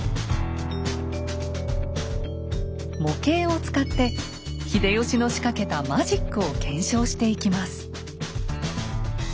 模型を使って秀吉の仕掛けたマジックを検証していきます。